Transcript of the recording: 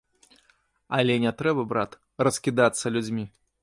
Але не трэба, брат, раскідацца людзьмі.